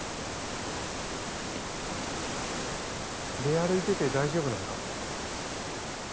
出歩いてて大丈夫なのか？